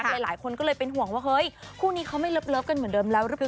หลายคนก็เลยเป็นห่วงว่าเฮ้ยคู่นี้เขาไม่เลิฟกันเหมือนเดิมแล้วหรือเปล่า